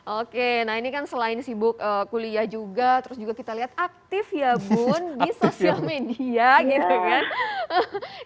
oke nah ini kan selain sibuk kuliah juga terus juga kita lihat aktif ya bun di sosial media gitu kan